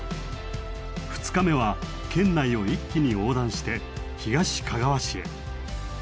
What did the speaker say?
２日目は県内を一気に横断して東かがわ市へ。